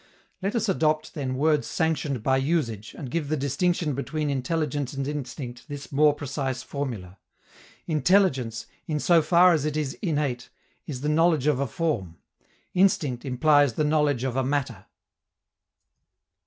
Let us adopt then words sanctioned by usage, and give the distinction between intelligence and instinct this more precise formula: Intelligence, in so far as it is innate, is the knowledge of a form; instinct implies the knowledge of a matter.